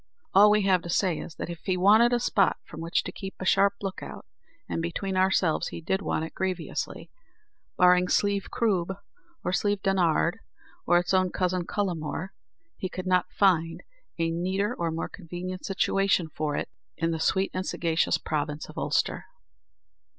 All we have to say is, that if he wanted a spot from which to keep a sharp look out and, between ourselves, he did want it grievously barring Slieve Croob, or Slieve Donard, or its own cousin, Cullamore, he could not find a neater or more convenient situation for it in the sweet and sagacious province of Ulster.